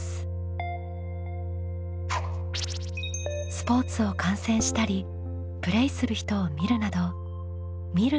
スポーツを観戦したりプレイする人を見るなど「みる」